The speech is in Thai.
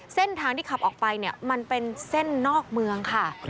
เส้นทางที่ขับออกไปเนี่ยมันเป็นเส้นนอกเมืองค่ะ